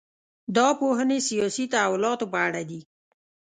دا پوهنې سیاسي تحولاتو په اړه دي.